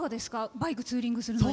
バイク、ツーリングするのに。